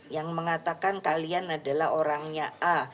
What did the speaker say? yang mengatakan kalian adalah orangnya a